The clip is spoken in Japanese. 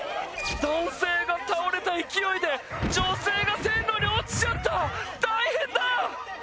男性が倒れた勢いで女性が線路に落ちちゃった大変だ！